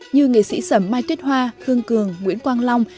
như nghệ sĩ sầm mai tuyết hoa khương cường nguyễn quang long